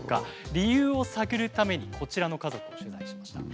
理由を探るためにこちらの家族を取材しました。